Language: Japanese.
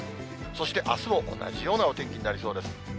そしてあすも同じようなお天気になりそうです。